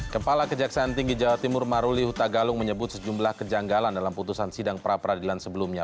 kepala kejaksaan tinggi jawa timur maruli hutagalung menyebut sejumlah kejanggalan dalam putusan sidang prapradilan sebelumnya